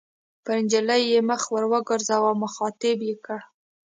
پر نجلۍ یې مخ ور وګرځاوه او مخاطبه یې کړه.